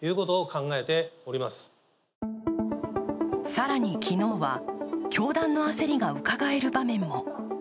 更に昨日は、教団の焦りがうかがえる場面も。